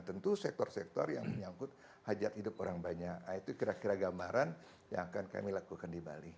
tentu sektor sektor yang menyangkut hajat hidup orang banyak itu kira kira gambaran yang akan kami lakukan di bali